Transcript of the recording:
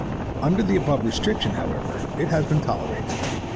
Under the above restriction however it has been tolerated.